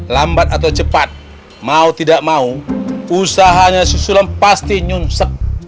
lambat atau cepat mau tidak mau usahanya susulan pasti nyunsek